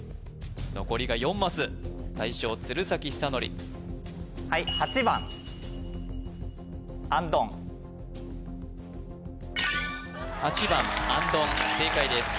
残りが４マス大将鶴崎修功８番あんどん正解です